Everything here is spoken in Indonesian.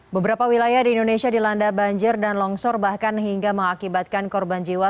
beberapa wilayah di indonesia dilanda banjir dan longsor bahkan hingga mengakibatkan korban jiwa